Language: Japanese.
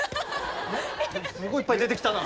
すごいいっぱい出てきたな。